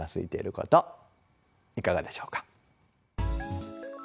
いかがでしょうか？